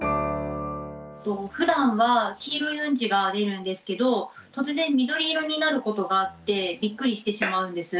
ふだんは黄色いウンチが出るんですけど突然緑色になることがあってびっくりしてしまうんです。